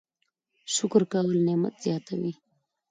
شکر کول نعمت زیاتوي